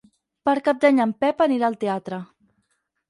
Per Cap d'Any en Pep anirà al teatre.